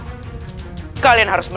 apalagi di sirius ini